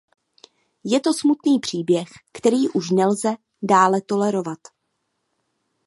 Je to smutný příběh, který už nelze dále tolerovat.